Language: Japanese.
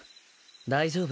大丈夫。